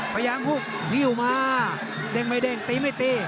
พยายามหุบวิวมาเด็งไว้เด็งตีไม่ตี